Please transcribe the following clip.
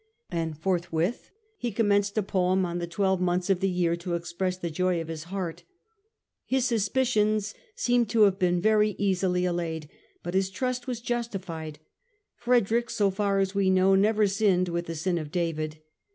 And forthwith he commenced a poem on the twelve months of the year to express the joy of his heart. His suspicions seem to have been very easily allayed, but his trust was justified. Frederick, so far as we know, never sinned with the sin of David.